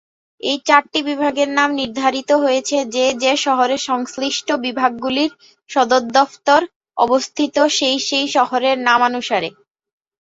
এই চারটি বিভাগের নাম নির্ধারিত হয়েছে যে যে শহরে সংশ্লিষ্ট বিভাগগুলির সদর দফতর অবস্থিত সেই সেই শহরের নামানুসারে।